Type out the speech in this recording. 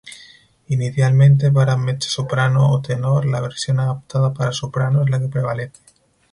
Inicialmente para mezzosoprano o tenor, la versión adaptada para soprano es la que prevalece.